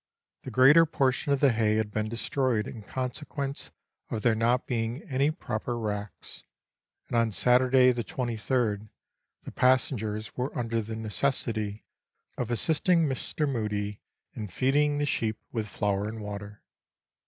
The greater portion of the hay had been destroyed in consequence of there not being any proper racks, and on Saturday the 23rd the passengers were under the necessity of assisting Mr. Mudie in feeding the sheep with flour and water.